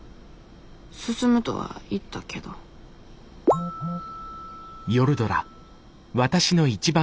進むとは言ったけどふふっ。